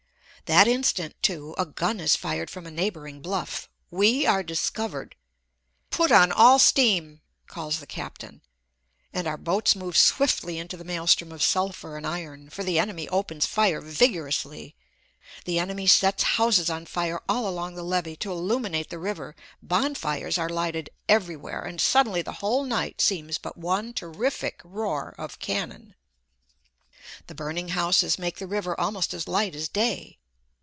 That instant, too, a gun is fired from a neighboring bluff. We are discovered. "Put on all steam," calls the captain, and our boats move swiftly into the maelstrom of sulphur and iron, for the enemy opens fire vigorously. The enemy sets houses on fire all along the levee to illuminate the river, bonfires are lighted everywhere, and suddenly the whole night seems but one terrific roar of cannon. The burning houses make the river almost as light as day.